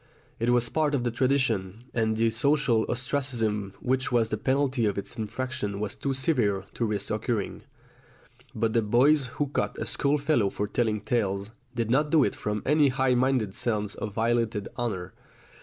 It was part of the tradition, and the social ostracism which was the penalty of its infraction was too severe to risk incurring. But the boys who cut a schoolfellow for telling tales, did not do it from any high minded sense of violated honour.